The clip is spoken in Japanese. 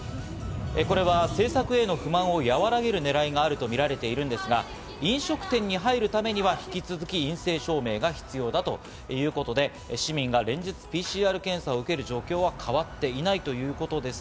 これは政策への不満を和らげる狙いがあるとみられているんですが、飲食店に入るためには引き続き陰性証明が必要だということで、市民が連日、ＰＣＲ検査を受ける状況は変わっていないということです。